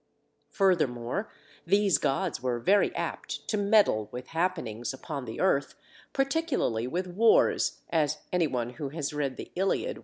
Furthermore, these gods were very apt to meddle with happenings upon the earth, particularly with wars, as anyone who has read the "Iliad" will recall.